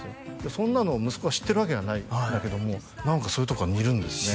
そんなのを息子が知ってるわけがないんだけども何かそういうとこが似るんですね